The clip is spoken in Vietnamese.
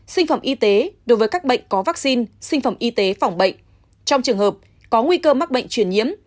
sinh phẩm y tế đối với các bệnh có vaccine sinh phẩm y tế phòng bệnh trong trường hợp có nguy cơ mắc bệnh truyền nhiễm